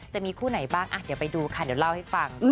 จะมีคู่ไหนบ้างเดี๋ยวไปดูค่ะเดี๋ยวเล่าให้ฟัง